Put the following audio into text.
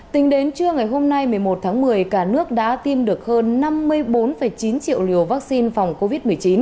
tính đến trưa ngày hôm nay một mươi một tháng một mươi cả nước đã tiêm được hơn năm mươi bốn chín triệu liều vaccine phòng covid một mươi chín